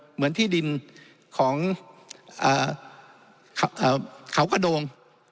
เหมือนที่ดินของเขากระโดง